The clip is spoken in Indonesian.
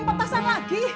pengen petasan lagi